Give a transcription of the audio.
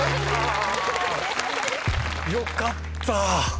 よかった！